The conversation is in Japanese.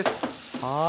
はい。